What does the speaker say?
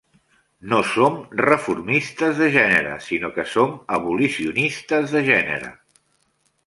No som reformistes de gènere, sinó que som abolicionistes de gènere.